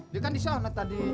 dia kan di sana tadi